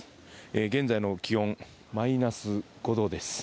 現在の気温、マイナス５度です。